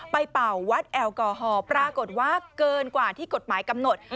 เป่าวัดแอลกอฮอล์ปรากฏว่าเกินกว่าที่กฎหมายกำหนด